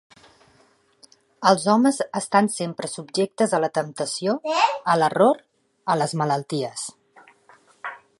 Els homes estan sempre subjectes a la temptació, a l'error, a les malalties.